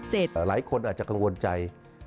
หลายคนอาจจะกังวลใจ